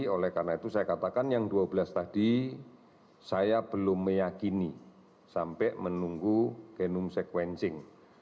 oleh karena itu saya katakan yang dua belas tadi saya belum meyakini sampai menunggu genome sequencing